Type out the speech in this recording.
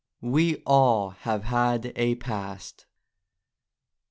We all have had a Past